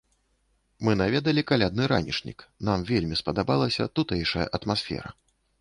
Мы наведалі калядны ранішнік, нам вельмі спадабалася тутэйшая атмасфера.